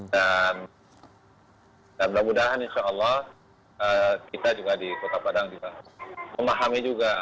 dan dan mudah mudahan insya allah kita juga di kota padang juga memahami juga